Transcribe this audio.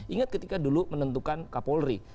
ingat ketika dulu menentukan kapolri